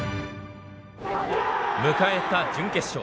迎えた準決勝。